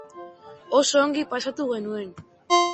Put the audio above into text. Oso ongi pasatu genuen.